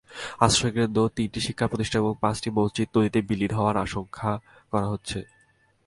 আশ্রয়কেন্দ্র, তিনটি শিক্ষাপ্রতিষ্ঠান এবং পাঁচটি মসজিদ নদীতে বিলীন হওয়ার আশঙ্কা করা হচ্ছে।